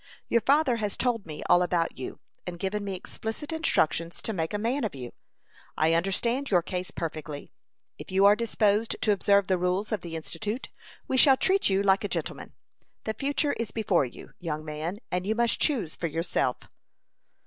Your father has told me all about you, and given me explicit instructions to make a man of you. I understand your case perfectly. If you are disposed to observe the rules of the Institute, we shall treat you like a gentleman. The future is before you, young man, and you must choose for yourself."